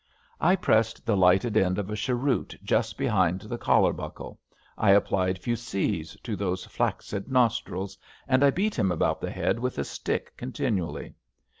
I pressed the lighted end of a cheroot just behind the collar buckle; I applied fusees to those flaccid nostrils, and I beat him about the head with a stick continually.